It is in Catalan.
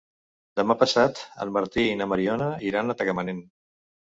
Demà passat en Martí i na Mariona iran a Tagamanent.